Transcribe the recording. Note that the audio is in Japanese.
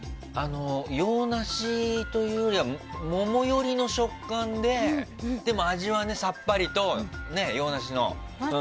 洋梨というよりは桃寄りの食感ででも、味はさっぱりと洋梨の。